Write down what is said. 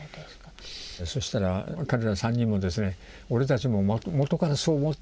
そしたら彼ら３人もですね「俺たちも元からそう思ってたんだ」と。